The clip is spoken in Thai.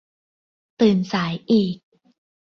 ตื่นสายอีก